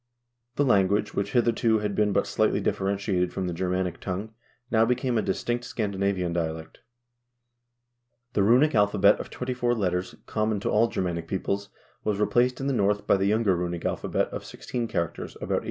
The language, which hitherto had been but slightly differentiated from the Germanic tongue, now became a distinct Scandinavian dialect. The runic alphabet of twenty four characters, common to all Ger manic peoples, was replaced in the North by the younger runic alpha bet of sixteen characters about 850.